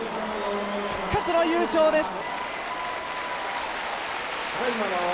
復活の優勝です。